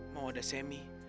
mau ada semmy